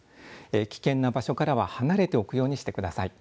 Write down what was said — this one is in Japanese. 危険な場所からは離れておくようにしてください。